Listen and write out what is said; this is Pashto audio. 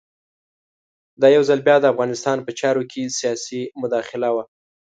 دا یو ځل بیا د افغانستان په چارو کې سیاسي مداخله وه.